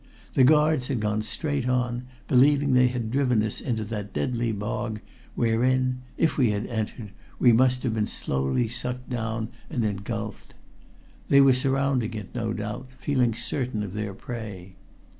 The guards had gone straight on, believing they had driven us into that deadly bog wherein, if we had entered, we must have been slowly sucked down and engulfed. They were surrounding it, no doubt, feeling certain of their prey.